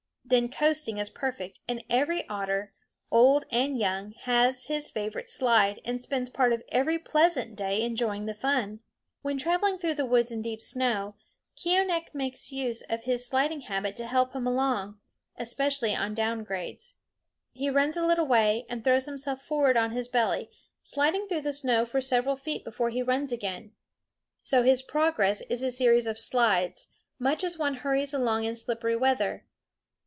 Then coasting is perfect, and every otter, old and young, has his favorite slide and spends part of every pleasant day enjoying the fun. When traveling through the woods in deep snow, Keeonekh makes use of his sliding habit to help him along, especially on down grades. He runs a little way and throws himself forward on his belly, sliding through the snow for several feet before he runs again. So his progress is a series of slides, much as one hurries along in slippery weather.